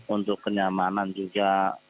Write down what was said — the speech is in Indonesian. untuk kenyamanan juga